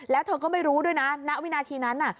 แล้วเธอก็ไม่รู้ด้วยนะณวินาทีนั้น